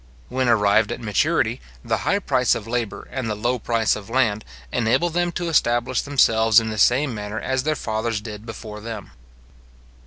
When arrived at maturity, the high price of labour, and the low price of land, enable them to establish themselves in the same manner as their fathers did before them.